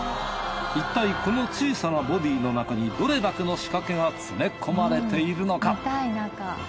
いったいこの小さなボディの中にどれだけの仕掛けが詰め込まれているのか？